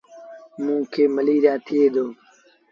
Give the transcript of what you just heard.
موݩ کي مليٚريآ ٿئي دو۔